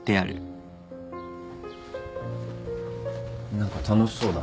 何か楽しそうだね。